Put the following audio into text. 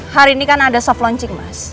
hari ini kan ada soft launching mas